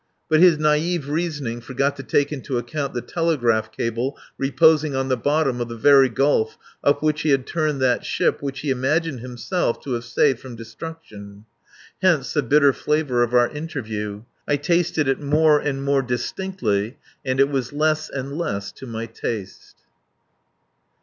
But his naive reasoning forgot to take into account the telegraph cable reposing on the bottom of the very Gulf up which he had turned that ship which he imagined himself to have saved from destruction. Hence the bitter flavour of our interview. I tasted it more and more distinctly and it was less and less to my taste.